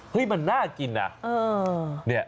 เฮ้ยมันน่ากินน่ะ